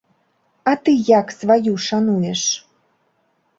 А ты як сваю шануеш?